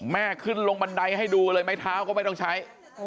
ขึ้นลงบันไดให้ดูเลยไม้เท้าก็ไม่ต้องใช้